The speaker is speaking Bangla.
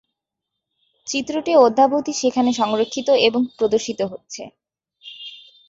চিত্রটি অদ্যাবধি সেখানে সংরক্ষিত এবং প্রদর্শিত হচ্ছে।